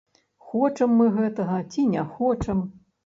Хочам мы гэтага ці не хочам.